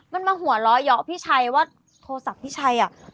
มันมาหัวเราะเยาะพี่ชัยว่าโทรศัพท์พี่ชัยอ่ะ